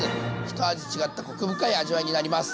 ひと味違ったコク深い味わいになります。